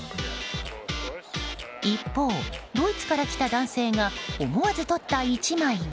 一方、ドイツから来た男性が思わず撮った１枚は。